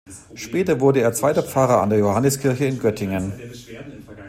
Später wurde er zweiter Pfarrer an der Johanniskirche in Göttingen.